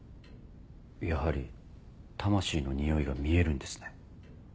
やはり魂の匂いが見えるんですね。